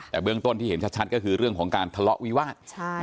แต่เบื้องต้นที่เห็นชัดก็คือเรื่องของการทะเลาะวิวาส